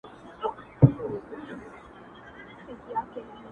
نجلۍ ولاړه په هوا ده او شپه هم يخه ده،